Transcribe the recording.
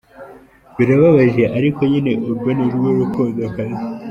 birababaje ariko nyine urwo nirwo rukundo kabisa.